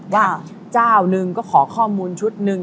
ว่าเจ้าหนึ่งก็ขอข้อมูลชุดหนึ่ง